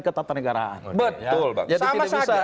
ketatanegaraan betul bang